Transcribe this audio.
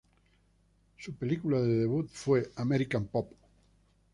Su película de debut "fue American Pop".